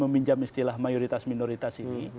meminjam istilah mayoritas minoritas ini